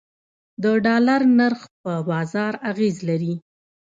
د ډالر نرخ په بازار اغیز لري